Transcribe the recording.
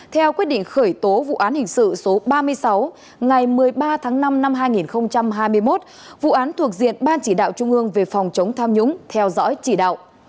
theo quyết định khởi tố vụ án hình sự số ba mươi sáu ngày một mươi ba tháng năm năm hai nghìn hai mươi một vụ án thuộc diện ban chỉ đạo trung ương về phòng chống tham nhũng theo dõi chỉ đạo